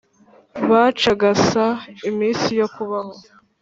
bacagasa iminsi yo kubaho.